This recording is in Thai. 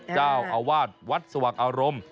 เจ้าอาวาสวัดสว่างอารมณ์